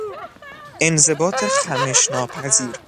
انضباط خمش ناپذیر